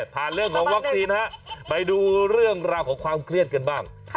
เรื่องของวัคซีนฮะไปดูเรื่องราวของความเครียดกันบ้าง